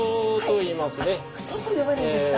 ふとと呼ばれるんですか。